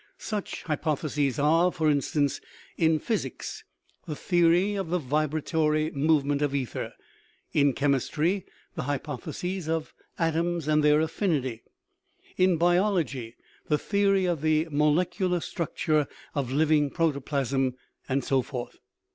Such hypotheses are, for in stance in physics the theory of the vibratory move ment of ether, in chemistry the hypothesis of atoms and their affinity, in biology the theory of the molecular structure of living protoplasm, and so forth.